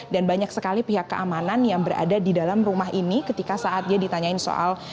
dan banyak sekali pihak keamanan yang berada di dalam rumah ini ketika saat dia ditanyain soal